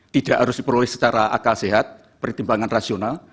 tidak harus diperoleh secara akal sehat pertimbangan rasional